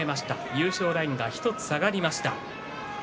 優勝ラインは１つ下がりました。